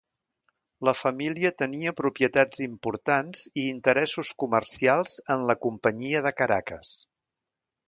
La família tenia propietats importants i interessos comercials en la Companyia de Caracas.